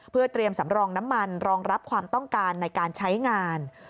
เพื่อเตรียมสำรองน้ำมันรองรับความต้องการในการใช้งาน